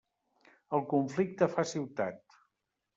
El conflicte fa ciutat.